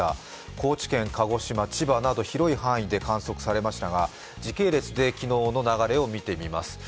高知県、鹿児島、千葉など広い範囲で観測されましたが、時系列で昨日の流れを見てみます。